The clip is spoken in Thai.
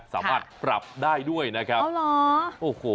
สามารถปรับได้ด้วยนะครับ